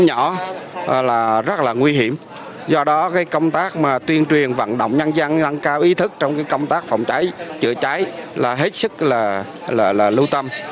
nó rất là nguy hiểm do đó công tác tuyên truyền vận động nhân dân nâng cao ý thức trong công tác phòng cháy trịa cháy là hết sức lưu tâm